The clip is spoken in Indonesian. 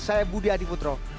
saya budi adiputro